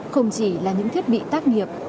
không chỉ là những thiết bị tác nghiệp